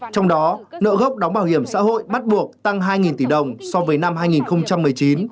trong đó nợ gốc đóng bảo hiểm xã hội bắt buộc tăng hai tỷ đồng so với năm hai nghìn một mươi chín